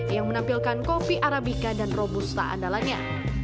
yang menampilkan kopi arabica dan robusta andalannya